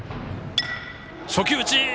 初球打ち。